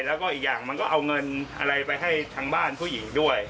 แล้วก็อีกอย่างมันก็เอาเงินอะไรไปให้ทางบ้านผู้หญิงด้วย